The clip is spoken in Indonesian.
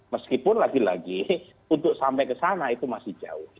meskipun lagi lagi untuk sampai ke sana itu masih jauh